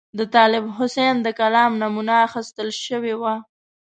د طالب حسین د کلام نمونه اخیستل شوې وه.